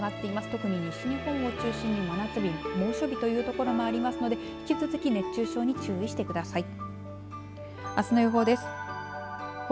特に西日本を中心に真夏日猛暑日という所もありますので引き続き熱中症に注意してください。